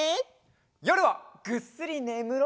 よるはぐっすりねむろう！